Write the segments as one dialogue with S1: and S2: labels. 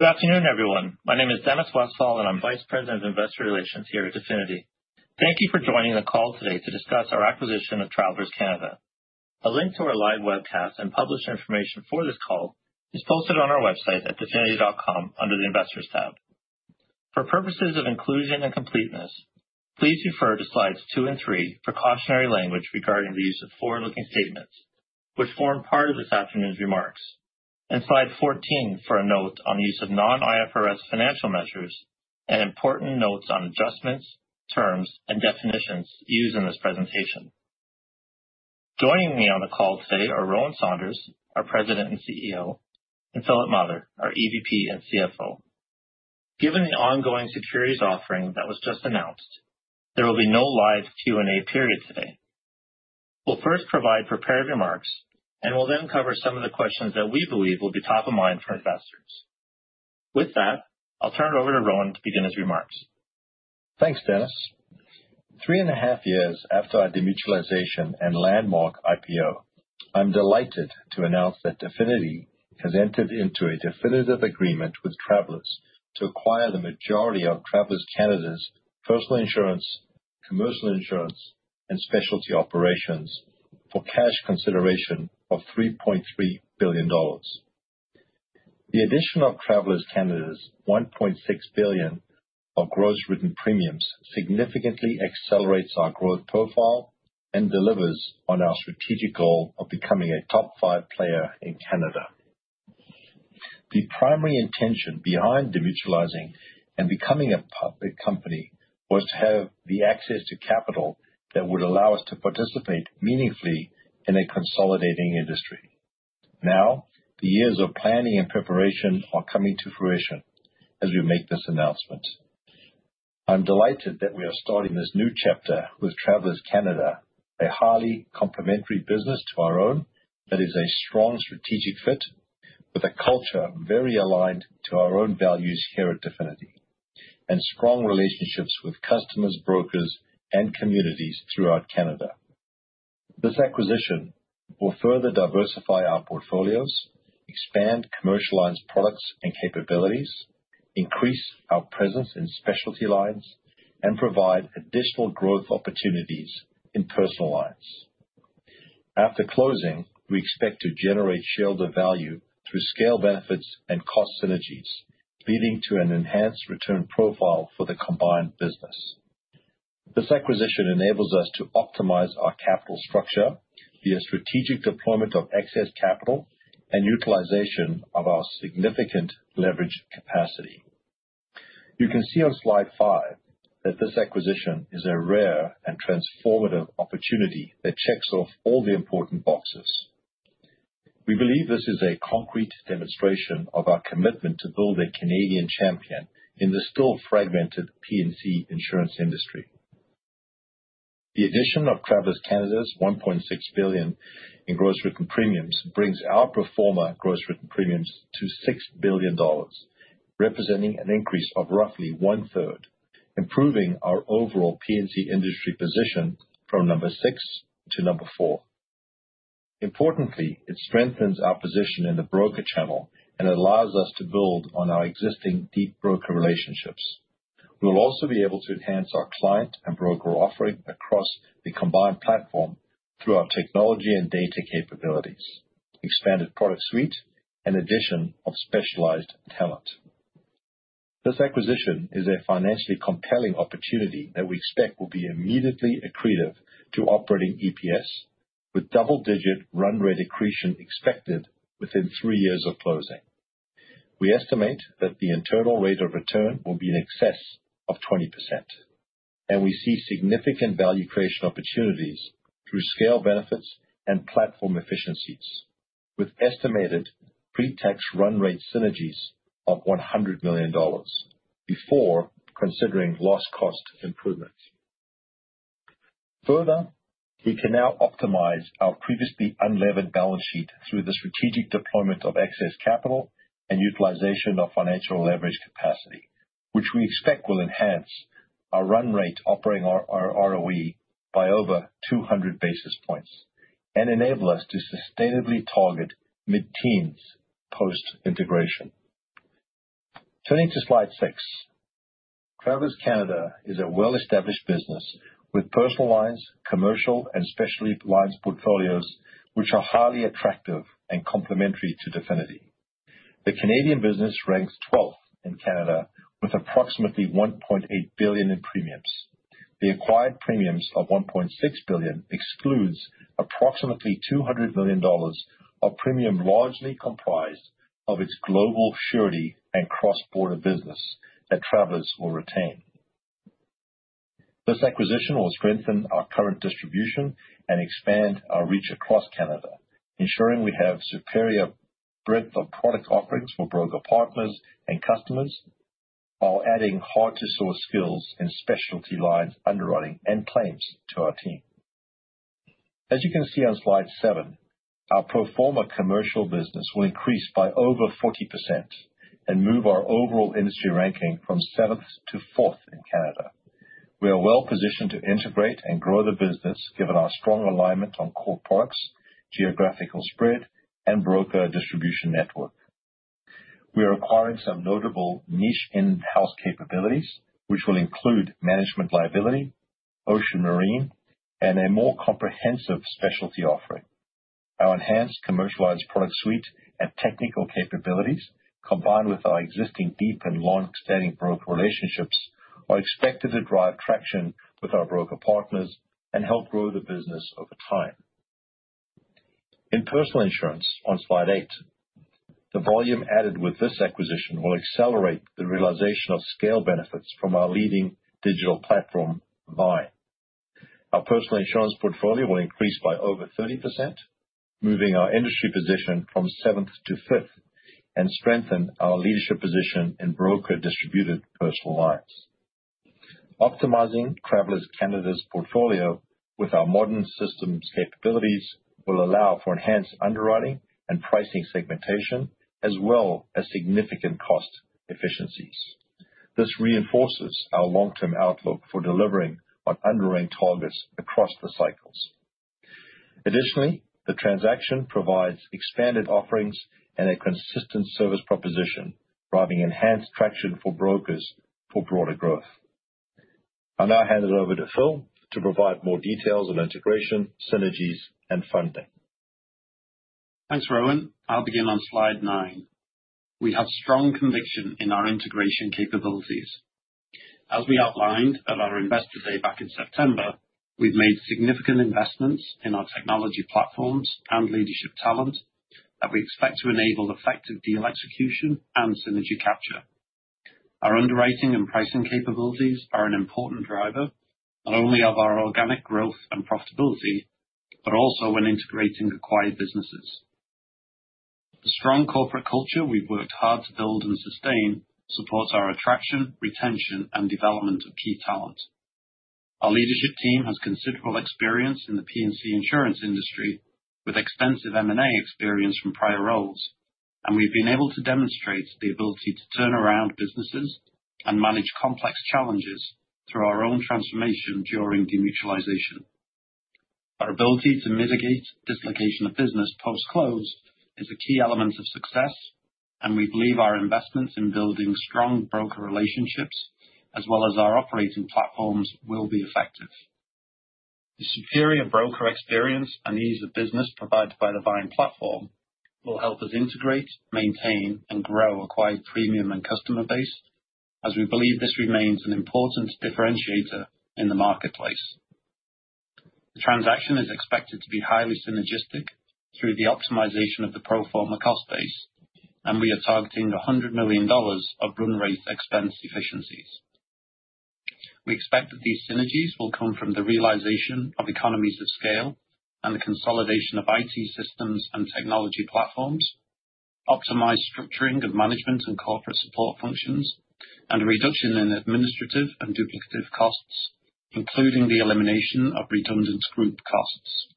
S1: Good afternoon, everyone. My name is Dennis Westfall, and I'm Vice President of Investor Relations here at Definity. Thank you for joining the call today to discuss our acquisition of Travelers Canada. A link to our live webcast and published information for this call is posted on our website at definity.com under the Investors tab. For purposes of inclusion and completeness, please refer to slides two and three for cautionary language regarding the use of forward-looking statements, which form part of this afternoon's remarks, and slide 14 for a note on the use of non-IFRS financial measures and important notes on adjustments, terms, and definitions used in this presentation. Joining me on the call today are Rowan Saunders, our President and CEO, and Philip Mather, our EVP and CFO. Given the ongoing securities offering that was just announced, there will be no live Q&A period today. We'll first provide prepared remarks, and we'll then cover some of the questions that we believe will be top of mind for investors. With that, I'll turn it over to Rowan to begin his remarks.
S2: Thanks, Dennis. 3.5 years after our demutualization and landmark IPO, I'm delighted to announce that Definity has entered into a definitive agreement with Travelers to acquire the majority of Travelers Canada's personal insurance, commercial insurance, and specialty operations for cash consideration of 3.3 billion dollars. The addition of Travelers 1.6 billion of gross written premiums significantly accelerates our growth profile and delivers on our strategic goal of becoming a top five player in Canada. The primary intention behind demutualizing and becoming a public company was to have the access to capital that would allow us to participate meaningfully in a consolidating industry. Now, the years of planning and preparation are coming to fruition as we make this announcement. I'm delighted that we are starting this new chapter with Travelers Canada, a highly complementary business to our own that is a strong strategic fit with a culture very aligned to our own values here at Definity and strong relationships with customers, brokers, and communities throughout Canada. This acquisition will further diversify our portfolios, expand commercialized products and capabilities, increase our presence in specialty lines, and provide additional growth opportunities in personal lines. After closing, we expect to generate shareholder value through scale benefits and cost synergies, leading to an enhanced return profile for the combined business. This acquisition enables us to optimize our capital structure via strategic deployment of excess capital and utilization of our significant leverage capacity. You can see on slide five that this acquisition is a rare and transformative opportunity that checks off all the important boxes. We believe this is a concrete demonstration of our commitment to build a Canadian champion in the still fragmented P&C insurance industry. The addition of Travelers Canada's 1.6 billion in gross written premiums brings our pro forma gross written premiums to 6 billion dollars, representing an increase of roughly one-third, improving our overall P&C industry position from number six to number four. Importantly, it strengthens our position in the broker channel and allows us to build on our existing deep broker relationships. We'll also be able to enhance our client and broker offering across the combined platform through our technology and data capabilities, expanded product suite, and addition of specialized talent. This acquisition is a financially compelling opportunity that we expect will be immediately accretive to operating EPS, with double-digit run rate accretion expected within three years of closing. We estimate that the internal rate of return will be in excess of 20%, and we see significant value creation opportunities through scale benefits and platform efficiencies, with estimated pre-tax run rate synergies of 100 million dollars before considering lost cost improvements. Further, we can now optimize our previously unlevered balance sheet through the strategic deployment of excess capital and utilization of financial leverage capacity, which we expect will enhance our run rate operating ROE by over 200 basis points and enable us to sustainably target mid-teens post-integration. Turning to slide six, Travelers Canada is a well-established business with personal lines, commercial, and specialty lines portfolios, which are highly attractive and complementary to Definity. The Canadian business ranks 12th in Canada with approximately 1.8 billion in premiums. The acquired premiums of 1.6 billion exclude approximately 200 million dollars of premium largely comprised of its global surety and cross-border business that Travelers will retain. This acquisition will strengthen our current distribution and expand our reach across Canada, ensuring we have superior breadth of product offerings for broker partners and customers while adding hard-to-source skills in specialty lines, underwriting, and claims to our team. As you can see on slide seven, our pro forma commercial business will increase by over 40% and move our overall industry ranking from seventh to fourth in Canada. We are well-positioned to integrate and grow the business given our strong alignment on core products, geographical spread, and broker distribution network. We are acquiring some notable niche in-house capabilities, which will include management liability, ocean marine, and a more comprehensive specialty offering. Our enhanced commercialized product suite and technical capabilities, combined with our existing deep and long-standing broker relationships, are expected to drive traction with our broker partners and help grow the business over time. In personal insurance, on slide eight, the volume added with this acquisition will accelerate the realization of scale benefits from our leading digital platform, Vine. Our personal insurance portfolio will increase by over 30%, moving our industry position from seventh to fifth and strengthen our leadership position in broker-distributed personal lines. Optimizing Travelers Canada's portfolio with our modern systems capabilities will allow for enhanced underwriting and pricing segmentation, as well as significant cost efficiencies. This reinforces our long-term outlook for delivering on underwriting targets across the cycles. Additionally, the transaction provides expanded offerings and a consistent service proposition, driving enhanced traction for brokers for broader growth. I'll now hand it over to Phil to provide more details on integration, synergies, and funding.
S3: Thanks, Rowan. I'll begin on slide nine. We have strong conviction in our integration capabilities. As we outlined at our investor day back in September, we've made significant investments in our technology platforms and leadership talent that we expect to enable effective deal execution and synergy capture. Our underwriting and pricing capabilities are an important driver not only of our organic growth and profitability, but also when integrating acquired businesses. The strong corporate culture we've worked hard to build and sustain supports our attraction, retention, and development of key talent. Our leadership team has considerable experience in the P&C insurance industry with extensive M&A experience from prior roles, and we've been able to demonstrate the ability to turn around businesses and manage complex challenges through our own transformation during demutualization. Our ability to mitigate dislocation of business post-close is a key element of success, and we believe our investments in building strong broker relationships as well as our operating platforms will be effective. The superior broker experience and ease of business provided by the Vine platform will help us integrate, maintain, and grow acquired premium and customer base as we believe this remains an important differentiator in the marketplace. The transaction is expected to be highly synergistic through the optimization of the proforma cost base, and we are targeting 100 million dollars of run rate expense efficiencies. We expect that these synergies will come from the realization of economies of scale and the consolidation of IT systems and technology platforms, optimized structuring of management and corporate support functions, and a reduction in administrative and duplicative costs, including the elimination of redundant group costs.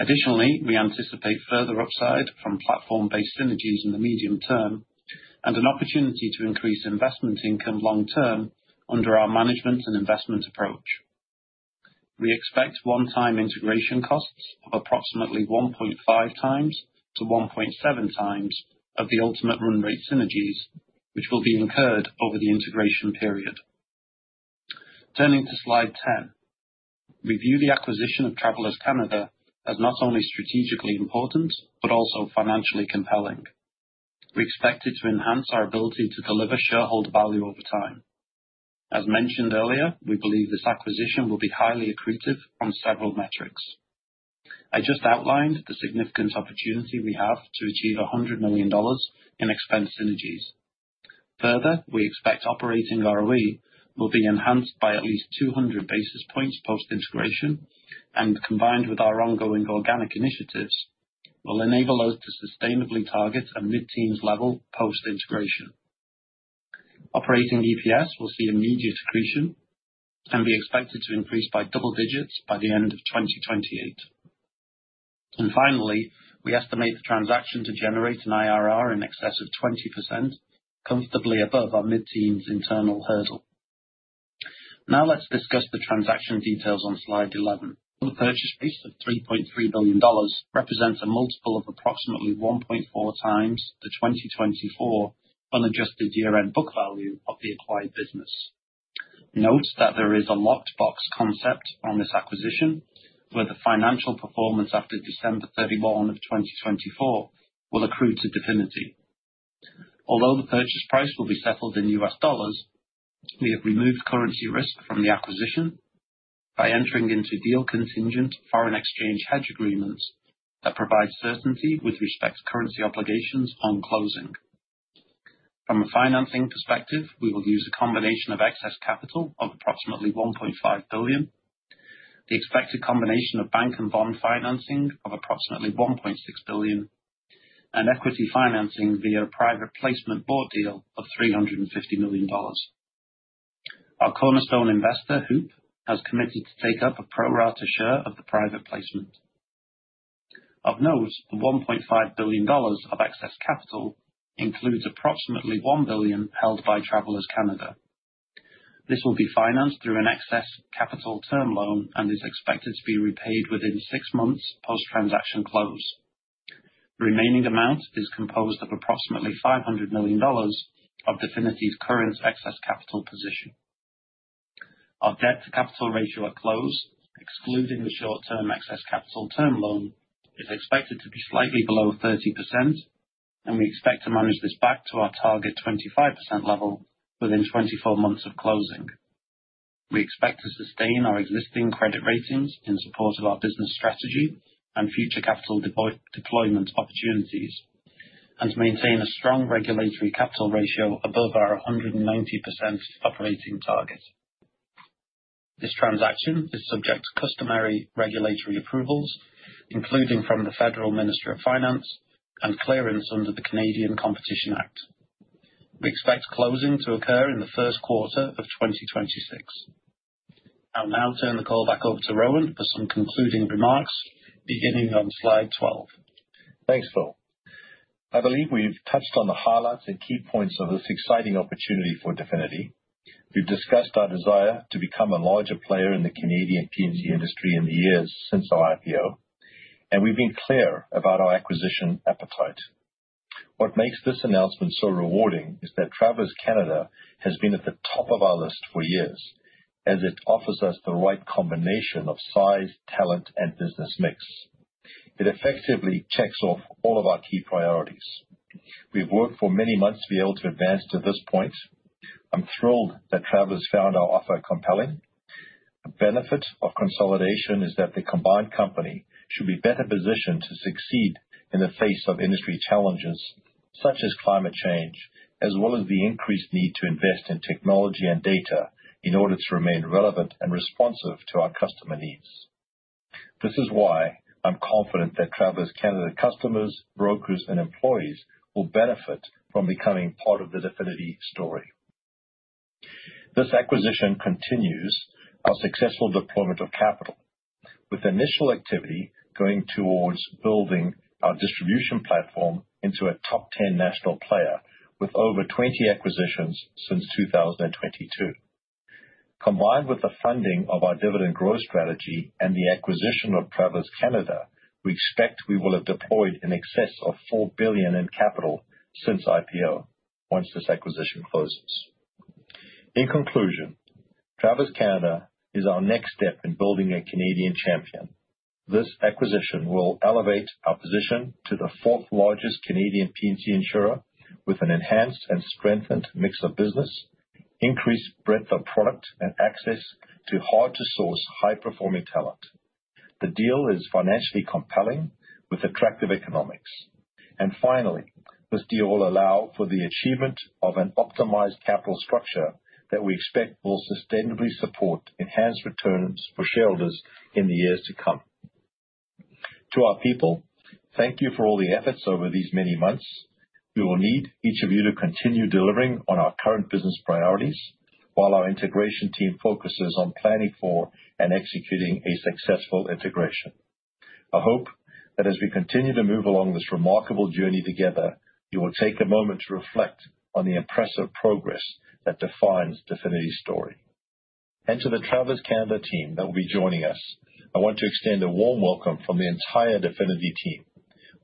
S3: Additionally, we anticipate further upside from platform-based synergies in the medium term and an opportunity to increase investment income long-term under our management and investment approach. We expect one-time integration costs of approximately 1.5-1.7 times of the ultimate run rate synergies, which will be incurred over the integration period. Turning to slide ten, we view the acquisition of Travelers Canada as not only strategically important but also financially compelling. We expect it to enhance our ability to deliver shareholder value over time. As mentioned earlier, we believe this acquisition will be highly accretive on several metrics. I just outlined the significant opportunity we have to achieve 100 million dollars in expense synergies. Further, we expect operating ROE will be enhanced by at least 200 basis points post-integration, and combined with our ongoing organic initiatives, will enable us to sustainably target a mid-teens level post-integration. Operating EPS will see immediate accretion and be expected to increase by double digits by the end of 2028. Finally, we estimate the transaction to generate an IRR in excess of 20%, comfortably above our mid-teens internal hurdle. Now let's discuss the transaction details on slide 11. The purchase base of 3.3 billion dollars represents a multiple of approximately 1.4x the 2024 unadjusted year-end book value of the acquired business. Note that there is a locked box concept on this acquisition where the financial performance after December 31 of 2024 will accrue to Definity. Although the purchase price will be settled in U.S. dollars, we have removed currency risk from the acquisition by entering into deal contingent foreign exchange hedge agreements that provide certainty with respect to currency obligations on closing. From a financing perspective, we will use a combination of excess capital of approximately 1.5 billion, the expected combination of bank and bond financing of approximately 1.6 billion, and equity financing via a private placement board deal of 350 million dollars. Our cornerstone investor, HOOP, has committed to take up a pro-rata share of the private placement. Of note, the 1.5 billion dollars of excess capital includes approximately 1 billion held by Travelers Canada. This will be financed through an excess capital term loan and is expected to be repaid within six months post-transaction close. The remaining amount is composed of approximately 500 million dollars of Definity's current excess capital position. Our debt-to-capital ratio at close, excluding the short-term excess capital term loan, is expected to be slightly below 30%, and we expect to manage this back to our target 25% level within 24 months of closing. We expect to sustain our existing credit ratings in support of our business strategy and future capital deployment opportunities and maintain a strong regulatory capital ratio above our 190% operating target. This transaction is subject to customary regulatory approvals, including from the Federal Ministry of Finance and clearance under the Canadian Competition Act. We expect closing to occur in the first quarter of 2026. I'll now turn the call back over to Rowan for some concluding remarks, beginning on slide 12.
S2: Thanks, Phil. I believe we've touched on the highlights and key points of this exciting opportunity for Definity. We've discussed our desire to become a larger player in the Canadian P&C industry in the years since our IPO, and we've been clear about our acquisition appetite. What makes this announcement so rewarding is that Travelers Canada has been at the top of our list for years, as it offers us the right combination of size, talent, and business mix. It effectively checks off all of our key priorities. We've worked for many months to be able to advance to this point. I'm thrilled that Travelers found our offer compelling. The benefit of consolidation is that the combined company should be better positioned to succeed in the face of industry challenges such as climate change, as well as the increased need to invest in technology and data in order to remain relevant and responsive to our customer needs. This is why I'm confident that Travelers Canada customers, brokers, and employees will benefit from becoming part of the Definity story. This acquisition continues our successful deployment of capital, with initial activity going towards building our distribution platform into a top-10 national player with over 20 acquisitions since 2022. Combined with the funding of our dividend growth strategy and the acquisition of Travelers Canada, we expect we will have deployed in excess of 4 billion in capital since IPO once this acquisition closes. In conclusion, Travelers Canada is our next step in building a Canadian champion. This acquisition will elevate our position to the fourth-largest Canadian P&C insurer with an enhanced and strengthened mix of business, increased breadth of product, and access to hard-to-source high-performing talent. The deal is financially compelling with attractive economics. Finally, this deal will allow for the achievement of an optimized capital structure that we expect will sustainably support enhanced returns for shareholders in the years to come. To our people, thank you for all the efforts over these many months. We will need each of you to continue delivering on our current business priorities while our integration team focuses on planning for and executing a successful integration. I hope that as we continue to move along this remarkable journey together, you will take a moment to reflect on the impressive progress that defines Definity's story. To the Travelers Canada team that will be joining us, I want to extend a warm welcome from the entire Definity team.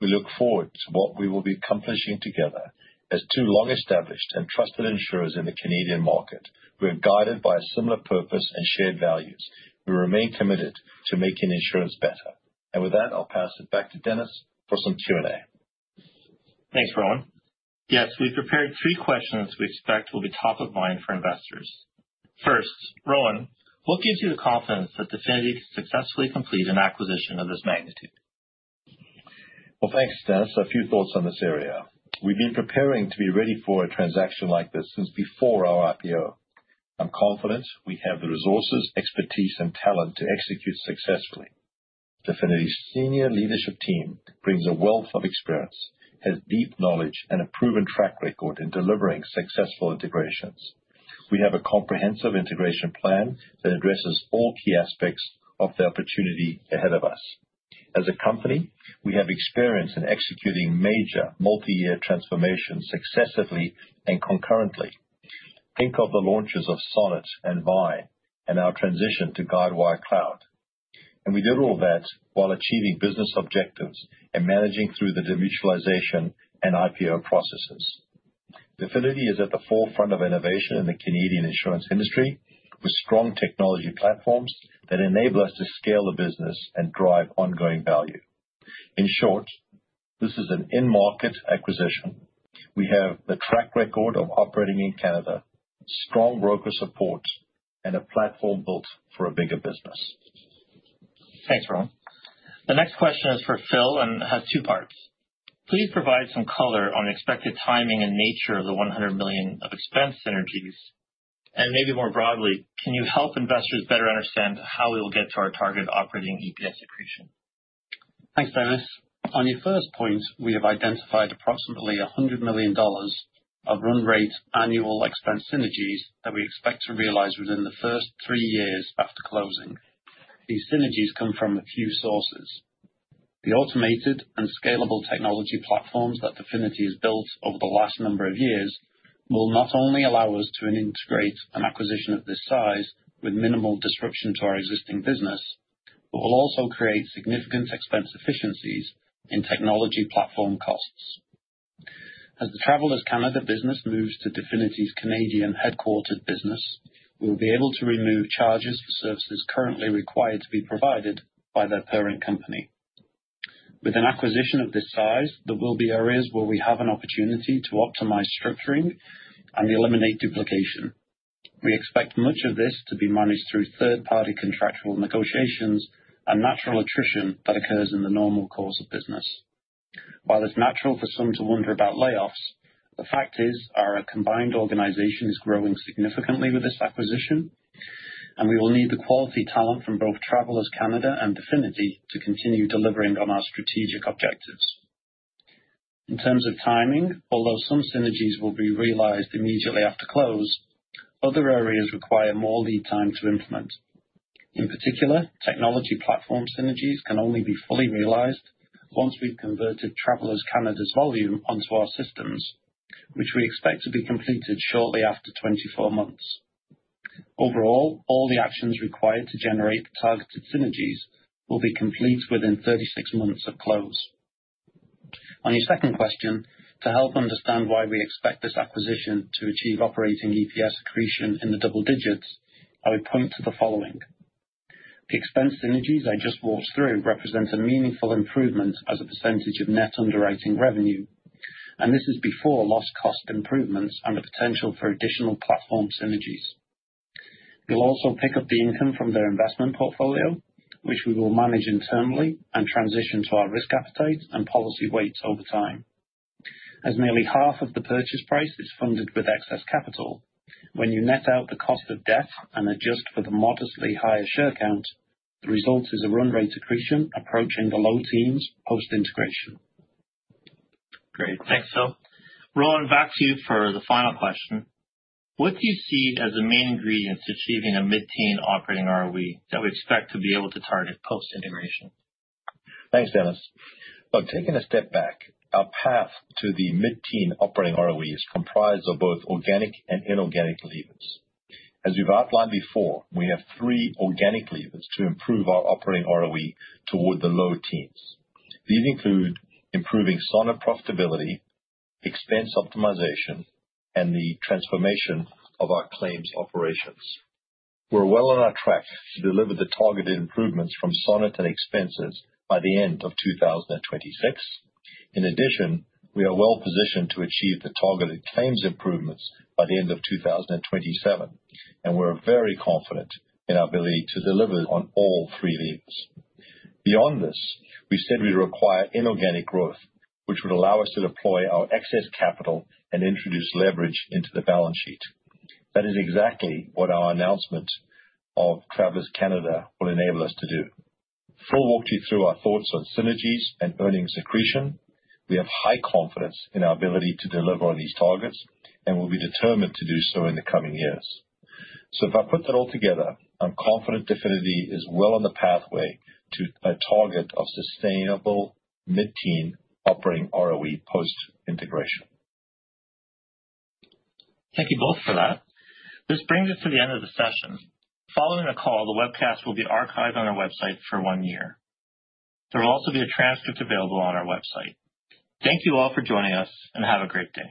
S2: We look forward to what we will be accomplishing together. As two long-established and trusted insurers in the Canadian market, we are guided by a similar purpose and shared values. We remain committed to making insurance better. With that, I'll pass it back to Dennis for some Q&A.
S1: Thanks, Rowan. Yes, we've prepared three questions we expect will be top of mind for investors. First, Rowan, what gives you the confidence that Definity can successfully complete an acquisition of this magnitude?
S2: Thanks, Dennis. A few thoughts on this area. We've been preparing to be ready for a transaction like this since before our IPO. I'm confident we have the resources, expertise, and talent to execute successfully. Definity's senior leadership team brings a wealth of experience, has deep knowledge, and a proven track record in delivering successful integrations. We have a comprehensive integration plan that addresses all key aspects of the opportunity ahead of us. As a company, we have experience in executing major multi-year transformations successively and concurrently. Think of the launches of Sonnet and Vine and our transition to Guidewire Cloud. We did all that while achieving business objectives and managing through the demutualization and IPO processes. Definity is at the forefront of innovation in the Canadian insurance industry with strong technology platforms that enable us to scale the business and drive ongoing value. In short, this is an in-market acquisition. We have the track record of operating in Canada, strong broker support, and a platform built for a bigger business.
S1: Thanks, Rowan. The next question is for Phil and has two parts. Please provide some color on the expected timing and nature of the 100 million of expense synergies. Maybe more broadly, can you help investors better understand how we will get to our target operating EPS accretion?
S3: Thanks, Dennis. On your first point, we have identified approximately 100 million dollars of run rate annual expense synergies that we expect to realize within the first three years after closing. These synergies come from a few sources. The automated and scalable technology platforms that Definity has built over the last number of years will not only allow us to integrate an acquisition of this size with minimal disruption to our existing business, but will also create significant expense efficiencies in technology platform costs. As the Travelers Canada business moves to Definity's Canadian headquartered business, we will be able to remove charges for services currently required to be provided by their parent company. With an acquisition of this size, there will be areas where we have an opportunity to optimize structuring and eliminate duplication. We expect much of this to be managed through third-party contractual negotiations and natural attrition that occurs in the normal course of business. While it's natural for some to wonder about layoffs, the fact is our combined organization is growing significantly with this acquisition, and we will need the quality talent from both Travelers Canada and Definity to continue delivering on our strategic objectives. In terms of timing, although some synergies will be realized immediately after close, other areas require more lead time to implement. In particular, technology platform synergies can only be fully realized once we've converted Travelers Canada's volume onto our systems, which we expect to be completed shortly after 24 months. Overall, all the actions required to generate the targeted synergies will be complete within 36 months of close. On your second question, to help understand why we expect this acquisition to achieve operating EPS accretion in the double digits, I would point to the following. The expense synergies I just walked through represent a meaningful improvement as a percentage of net underwriting revenue, and this is before loss-cost improvements and the potential for additional platform synergies. We'll also pick up the income from their investment portfolio, which we will manage internally and transition to our risk appetite and policy weights over time. As nearly half of the purchase price is funded with excess capital, when you net out the cost of debt and adjust for the modestly higher share count, the result is a run rate accretion approaching the low teens post-integration.
S1: Great. Thanks, Phil. Rowan, back to you for the final question. What do you see as the main ingredients to achieving a mid-teens operating ROE that we expect to be able to target post-integration?
S2: Thanks, Dennis. Taking a step back, our path to the mid-teens operating ROE is comprised of both organic and inorganic levers. As we've outlined before, we have three organic levers to improve our operating ROE toward the low teens. These include improving Sonnet profitability, expense optimization, and the transformation of our claims operations. We're well on our track to deliver the targeted improvements from Sonnet and expenses by the end of 2026. In addition, we are well positioned to achieve the targeted claims improvements by the end of 2027, and we're very confident in our ability to deliver on all three levers. Beyond this, we said we require inorganic growth, which would allow us to deploy our excess capital and introduce leverage into the balance sheet. That is exactly what our announcement of Travelers Canada will enable us to do. Phil walked you through our thoughts on synergies and earnings accretion. We have high confidence in our ability to deliver on these targets, and we'll be determined to do so in the coming years. If I put that all together, I'm confident Definity is well on the pathway to a target of sustainable mid-teens operating ROE post-integration.
S1: Thank you both for that. This brings us to the end of the session. Following the call, the webcast will be archived on our website for one year. There will also be a transcript available on our website. Thank you all for joining us, and have a great day.